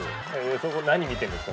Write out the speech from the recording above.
そこ何見てんですか？